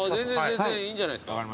全然いいんじゃないですか？